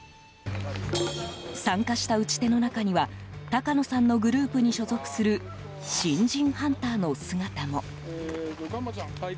参加した撃ち手の中には高野さんのグループに所属する新人ハンターの姿も。